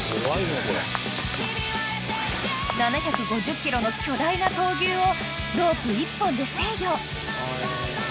［７５０ｋｇの巨大な闘牛をロープ１本で制御］